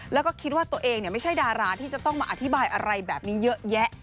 แล้วก็คิดว่าตัวเองไม่ใช่ดาราที่จะต้องมาอธิบายอะไรแบบนี้เยอะแยะ